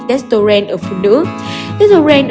testosterone ở phụ nữ testosterone